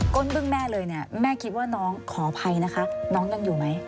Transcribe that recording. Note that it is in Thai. ้นบึ้งแม่เลยเนี่ยแม่คิดว่าน้องขออภัยนะคะน้องยังอยู่ไหม